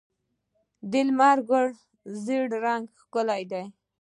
د لمر ګل ژیړ رنګ ښکلی دی.